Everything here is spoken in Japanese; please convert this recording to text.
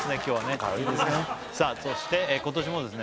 軽いねそして今年もですね